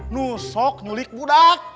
nusok nulik budak